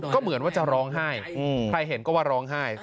ก็เหมือนว่าจะร้องไห้ใครเห็นก็ว่าร้องไห้